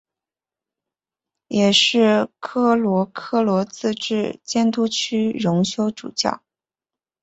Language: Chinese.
也是科罗科罗自治监督区荣休主教。